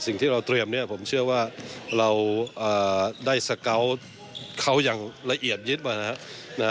สิ่งที่เราเตรียมเนี่ยผมเชื่อว่าเราได้สเกาะเขาอย่างละเอียดยึดมานะครับ